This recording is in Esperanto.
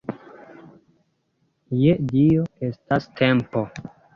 Je Dio, estas tempo!